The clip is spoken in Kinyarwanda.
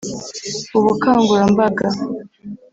ubukangurambaga